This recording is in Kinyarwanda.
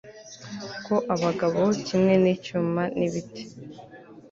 ko abagabo, kimwe n'icyuma n'ibiti